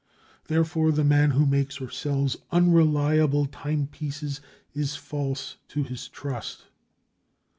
Therefore, the man who makes or sells unreliable timepieces is false to his trust.